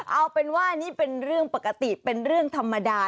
เอาเป็นว่านี่เป็นเรื่องปกติเป็นเรื่องธรรมดา